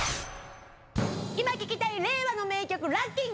今聴きたい令和の名曲ランキング